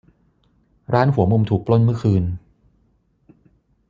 ร้านหัวมุมถูกปล้นเมื่อคืน